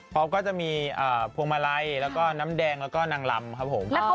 เขาก็จะมีพวงมาลัยแล้วก็น้ำแดงแล้วก็นางลำครับผม